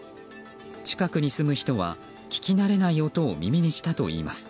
近くに住む人は聞き慣れない音を耳にしたといいます。